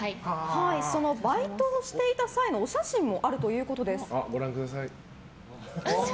そのバイトをしていた際のお写真もあるということです。